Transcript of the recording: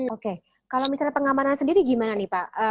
oke kalau misalnya pengamanan sendiri gimana nih pak